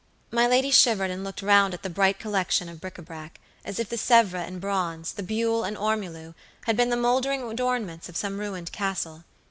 My lady shivered and looked round at the bright collection of bric a brac, as if the Sevres and bronze, the buhl and ormolu, had been the moldering adornments of some ruined castle.